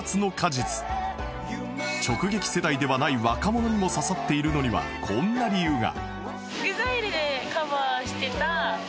直撃世代ではない若者にも刺さっているのにはこんな理由が